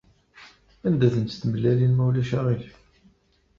Anda-tent tmellalin ma ulac aɣilif?